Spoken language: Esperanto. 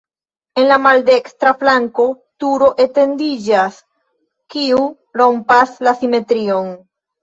En la maldekstra flanko turo etendiĝas, kiu rompas la simetrion.